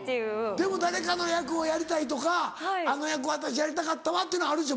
でも誰かの役をやりたいとかあの役私やりたかったわというのはあるでしょ